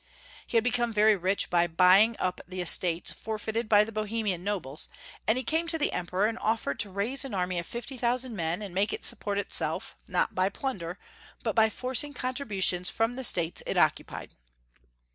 He had become very rich by buying up the estates for feited by the Bohemian nobles, and he came to the Emperor and offered to raise an army of 60,000 men, and make it support itself, not by plunder, but by forcing contributions from the states it oc cupied.